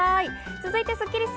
続いてスッキりす。